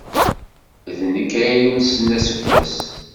D nekk ay yulsen aseggas.